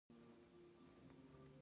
د باد فشار کښتۍ مخ ته وړي.